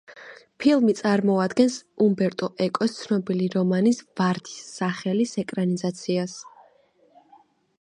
ფილმი წარმოადგენს უმბერტო ეკოს ცნობილი რომანის, „ვარდის სახელის“ ეკრანიზაციას.